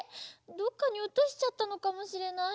どっかにおとしちゃったのかもしれない。